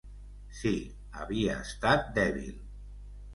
Sí, havia estat dèbil.